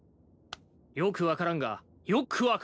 よく分からんがよく分かった！